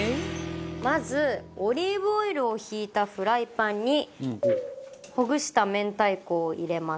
まずオリーブオイルを引いたフライパンにほぐした明太子を入れます。